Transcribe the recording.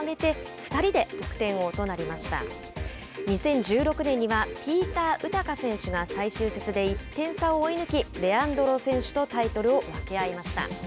２０１６年にはピーター・ウタカ選手が最終節で１点差を追い抜きレアンドロ選手とタイトルを分け合いました。